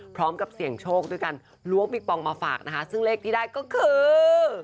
พร้อมกับเสี่ยงโชคด้วยการล้วงปิงปองมาฝากนะคะซึ่งเลขที่ได้ก็คือ